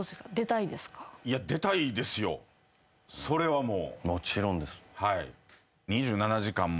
それはもう。